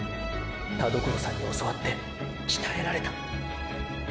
田所さんに教わってきたえられた